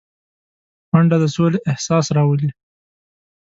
منډه د سولې احساس راولي